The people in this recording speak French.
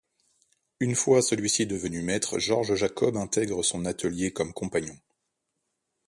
Une fois celui-ci devenu maître Georges Jacob intègre son atelier comme compagnon.